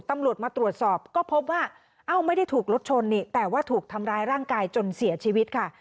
ตำรวจมาตรวจสอบก็พบว่าเอ้าไม่ได้ถูกรถชนนี่แต่ว่าถูกทำร้ายร่างกายจนเสียชีวิตค่ะ